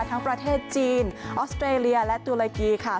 ประเทศจีนออสเตรเลียและตุรกีค่ะ